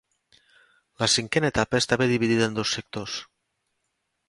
La cinquena etapa estava dividida en dos sectors.